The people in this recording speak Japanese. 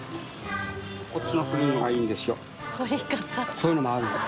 そういうのもあるんです。